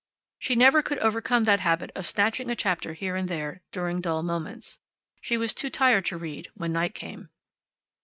She never could overcome that habit of snatching a chapter here and there during dull moments. She was too tired to read when night came.